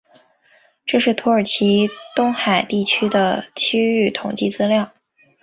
这是土耳其东黑海地区的区域统计资料。